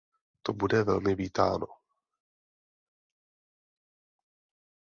To bude velmi vítáno.